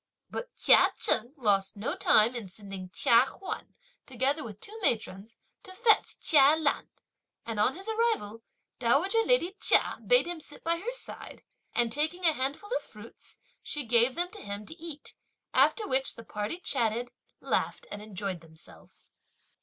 But Chia Cheng lost no time in sending Chia Huan, together with two matrons, to fetch Chia Lan; and, on his arrival, dowager lady Chia bade him sit by her side, and, taking a handful of fruits, she gave them to him to eat; after which the party chatted, laughed, and enjoyed themselves.